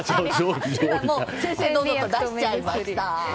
正々堂々と出しちゃいました。